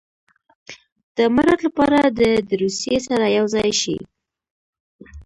د امارت لپاره دې د روسیې سره یو ځای شي.